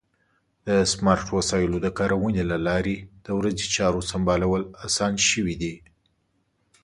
د سمارټ وسایلو د کارونې له لارې د ورځې چارو سمبالول اسان شوي دي.